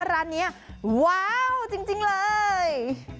ร้านเนี้ยว้าวจริงจริงเลย